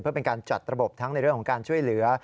เพื่อเป็นการจัดระบบทั้งในเรื่องของการช่วยเหลือ